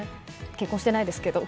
結婚してないですけど。